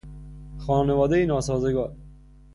خانوادهی ناسازگار